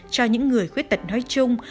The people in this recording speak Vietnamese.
cho những người khuyết tật nói chung